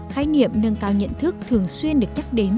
khái niệm nâng cao nhận thức thường xuyên được chắc đề